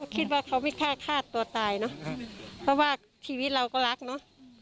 คิดว่าเขาไม่ฆ่าฆ่าตัวตายเนอะเพราะว่าชีวิตเราก็รักเนอะ